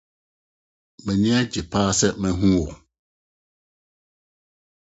M'ani agye paa sɛ mahu wo.